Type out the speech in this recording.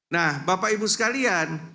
nah bapak ibu sekalian